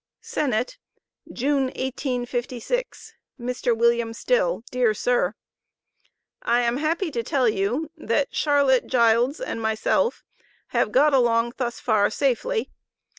SENNETT, June, 1856. MR. WILLIAM STILL: Dear Sir: I am happy to tell you that Charlotte Gildes and myself have got along thus far safely.